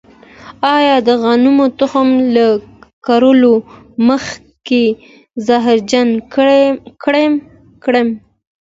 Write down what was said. آیا د غنمو تخم له کرلو مخکې زهرجن کړم؟